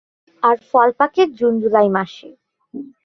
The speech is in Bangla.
আর ফল পাকে জুন-জুলাই মাসে।